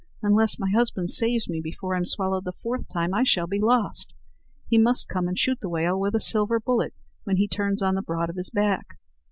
Unless my husband saves me before I'm swallowed the fourth time I shall be lost. He must come and shoot the whale with a silver bullet when he turns on the broad of his back.